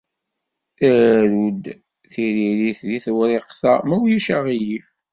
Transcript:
Aru-d tiririt deg tewriqt-a ma ulac aɣilif.